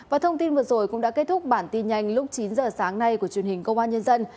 và thông tin vừa rồi cũng đã kết thúc bản tin nhanh lúc chín giờ sáng nay của truyền hình công an nhân dân